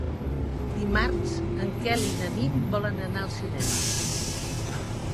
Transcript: Dimarts en Quel i na Nit volen anar al cinema.